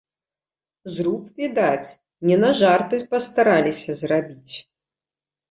Зруб, відаць, не на жарты пастараліся зрабіць.